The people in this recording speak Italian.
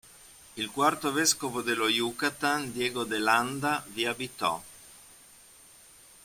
Il quarto vescovo dello Yucatán, Diego de Landa, vi abitò.